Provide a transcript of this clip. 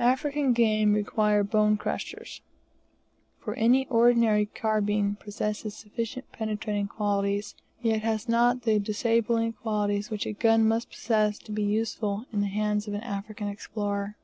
African game require "bone crushers;" for any ordinary carbine possesses sufficient penetrative qualities, yet has not he disabling qualities which a gun must possess to be useful in the hands of an African explorer.